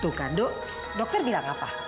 tuh kak dok dokter bilang apa